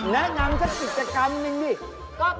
แนน่ำจะกิจกรรมนิ่งดิ